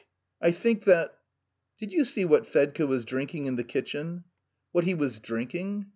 I think that..." "Did you see what Fedka was drinking in the kitchen?" "What he was drinking?